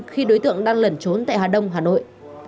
khi đối tượng đang lẩn trốn tại hà đông hà nội